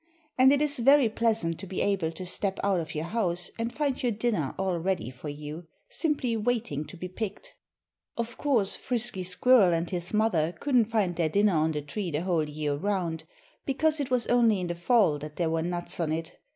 And it is very pleasant to be able to step out of your house and find your dinner all ready for you simply waiting to be picked. Of course, Frisky Squirrel and his mother couldn't find their dinner on the tree the whole year 'round because it was only in the fall that there were nuts on it.